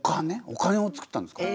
お金をつくったんですか？